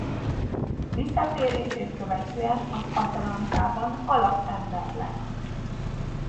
Visszatérését követően az Atalantában alapember lett.